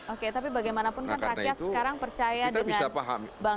oke tapi bagaimanapun kan rakyat sekarang percaya dengan bangsa